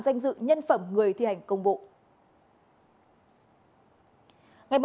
danh dự nhân phẩm người thi hành công bộ